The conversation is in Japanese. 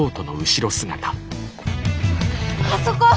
あそこ！